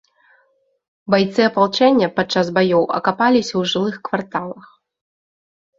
Байцы апалчэння падчас баёў акапаліся ў жылых кварталах.